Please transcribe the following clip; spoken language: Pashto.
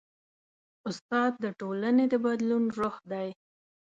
استاد د ټولنې د بدلون روح دی.